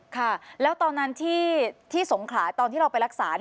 ค่ะแล้วตอนนั้นที่สงขลาตอนที่เราไปรักษา